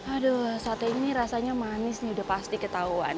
aduh sate ini rasanya manis nih udah pasti ketahuan